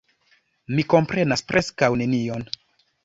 Mi komprenas preskaŭ nenion.